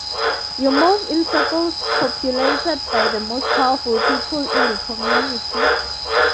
You move in circles populated by the most powerful people in the community.